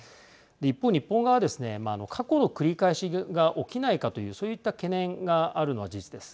一方、日本側はですね過去の繰り返しが起きないかというそういった懸念があるのは事実です。